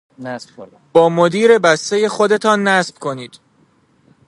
با مدیربستهٔ خودتان نصب کنید.